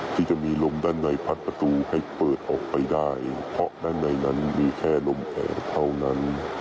ที่จะมีลมด้านในพัดประตูให้เปิดออกไปได้เพราะด้านในนั้นมีแค่ลมเปิดเท่านั้น